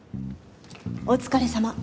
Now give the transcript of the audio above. お疲れさま。